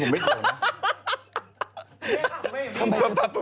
ผมไม่เกี่ยวนะ